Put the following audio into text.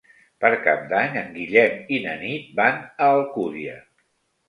Per Cap d'Any en Guillem i na Nit van a Alcúdia.